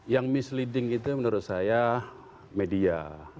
yang misleading itu menurut saya media